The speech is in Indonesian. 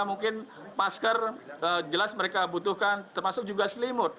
mungkin masker jelas mereka butuhkan termasuk juga selimut